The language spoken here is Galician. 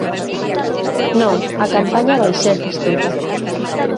Non, a campaña vai ser distinta.